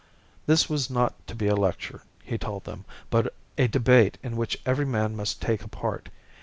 This was not to be a lecture, he told them, but a debate in which every man must take a part.